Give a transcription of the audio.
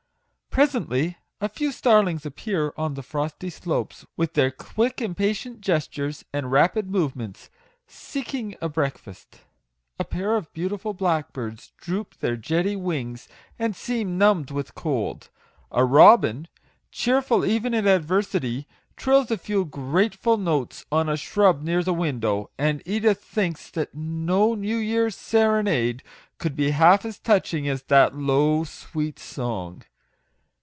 Presently a few starlings appear on the frosty slopes, with their quick, impatient gestures and rapid movements, seek ing a breakfast. A pair of beautiful black birds droop their jetty wings, and seem 40 MAGIC WORDS. numbed with cold. A robin, cheerful even in adversity, trills a few grateful notes on a shrub near the window, and Edith thinks that no new year's serenade could be half as touching as that low, sweet song.